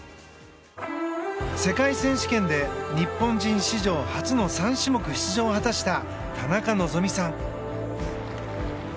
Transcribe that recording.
世界選手権で日本人史上初の３種目出場を果たした田中希実さん。